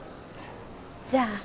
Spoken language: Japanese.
じゃあ。